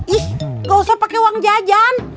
ish gak usah pakai uang jajan